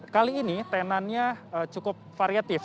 kali ini tenannya cukup variatif